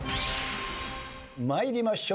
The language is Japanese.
参りましょう。